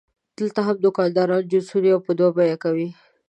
دلته هم دوکانداران جنسونه یو په دوه بیه کوي.